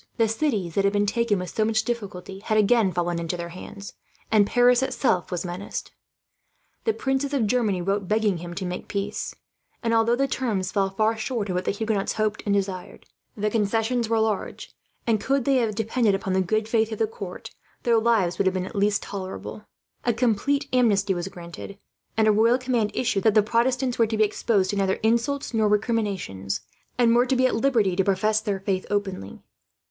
The cities that had been taken with so much difficulty had again fallen into their hands, and Paris itself was menaced. The princes of Germany wrote, begging him to make peace; and although the terms fell far short of what the Huguenots hoped and desired, the concessions were large and, could they have depended upon the good faith of the court, their lives would have at least been tolerable. A complete amnesty was granted, and a royal command issued that the Protestants were to be exposed to neither insults nor recriminations, and were to be at liberty to profess their faith openly.